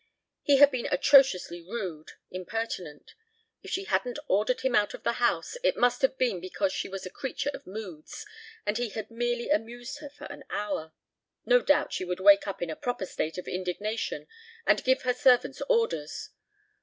He had been atrociously rude, impertinent. If she hadn't ordered him out of the house it must have been because she was a creature of moods, and he had merely amused her for the hour. No doubt she would wake up in a proper state of indignation and give her servants orders.